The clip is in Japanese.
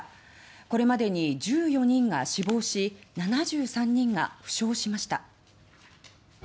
これまでに１４人が死亡し７３人が負傷しました。